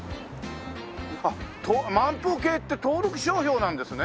あっ「万歩計」って登録商標なんですね。